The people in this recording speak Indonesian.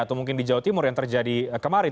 atau mungkin di jawa timur yang terjadi kemarin